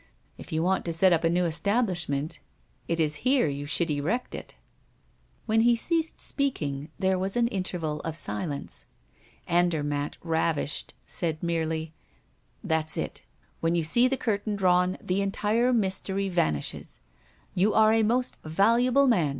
If you want to set up a new establishment, it is here you should erect it." When he ceased speaking, there was an interval of silence. Andermatt, ravished, said merely: "That's it! When you see the curtain drawn, the entire mystery vanishes. You are a most valuable man, M.